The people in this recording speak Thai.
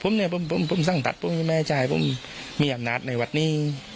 ผมนี่ผมสร้างทัพผมมีแม่ชายผมมีอำนาจในวัดนี้